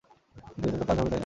কিন্তু এতে তো কাজ হবে, তাই না?